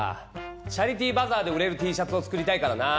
チャリティーバザーで売れるＴシャツを作りたいからな。